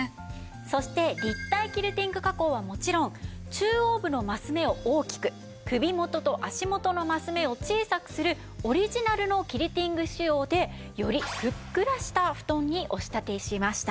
そして立体キルティング加工はもちろん中央部のマス目を大きく首元と足元のマス目を小さくするオリジナルのキルティング仕様でよりふっくらしたお布団にお仕立てしました。